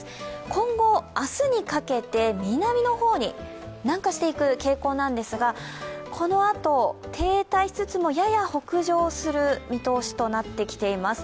今後、明日にかけて南の方に南下していく傾向なんですがこのあと、停滞しつつもやや北上する見通しとなってきています。